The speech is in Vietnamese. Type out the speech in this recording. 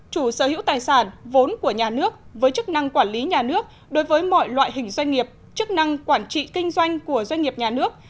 chủ sở hữu tài sản vốn của nhà nước với chức năng quản lý nhà nước đối với mọi loại hình doanh nghiệp chức năng quản trị kinh doanh của doanh nghiệp nhà nước